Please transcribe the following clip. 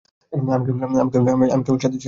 আমি কেবল সাথে ছিলাম, ধন্যবাদ।